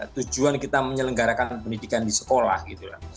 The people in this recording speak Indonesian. tujuan kita menyelenggarakan pendidikan di sekolah gitu lah